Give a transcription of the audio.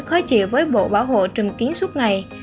khó chịu với bộ bảo hộ trừng kiến suốt ngày